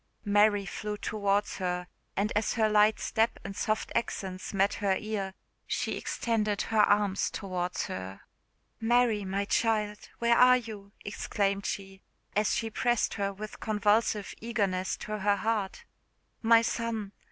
Mary flew towards her; and as her light step and soft accents met her ear, she extended her arms towards her. "Mary, my child, where are you?" exclaimed she, as she pressed her with convulsive eagerness to her heart. "My son!